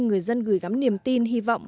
người dân gửi gắm niềm tin hy vọng